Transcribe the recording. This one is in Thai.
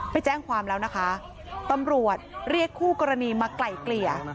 ไปแจ้งความแล้วนะคะตำรวจเรียกคู่กรณีมาไกล่เกลี่ย